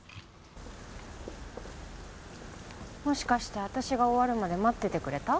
もしかして私が終わるまで待っててくれた？